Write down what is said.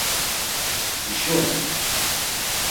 Hişo oni?